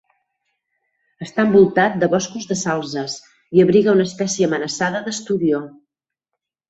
Està envoltat de boscos de salzes i abriga una espècie amenaçada d'esturió.